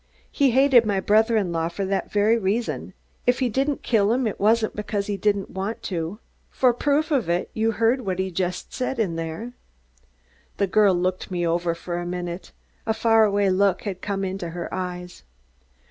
He hated my brother in law for that very reason. If he didn't kill him, it wasn't because he didn't want to. For proof of it, you heard what he said in there." The girl looked me over for a minute. A far away look had come into her eyes.